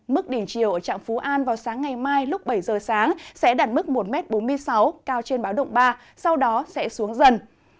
mức đỉnh chiều ở trạm phú an vào sáng ngày mai lúc bảy giờ sáng sẽ đạt mức một bốn mươi sáu m cao trên báo động ba sau đó sẽ xuống dần